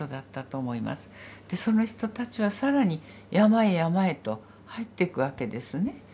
その人たちは更に山へ山へと入ってくわけですね。